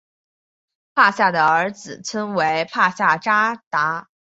帕夏的儿子称为帕夏札达。